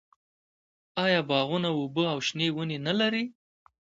آیا باغونه اوبه او شنه ونې نلري؟